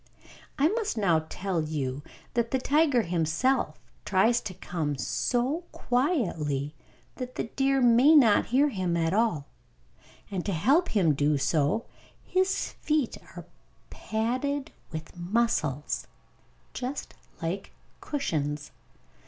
I must now tell you that the tiger himself, tries to come so quietly that the deer may not hear him at all; and to help him to do so, his feet are padded with muscles, just like cushions.